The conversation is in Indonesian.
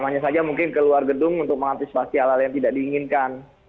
hanya saja mungkin keluar gedung untuk mengantisipasi hal hal yang tidak diinginkan